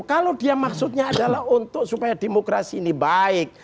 kalau dia maksudnya adalah untuk supaya demokrasi ini baik